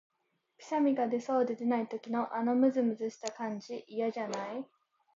くしゃみが出そうで出ない時の、あのむずむずした感じ、嫌じゃない？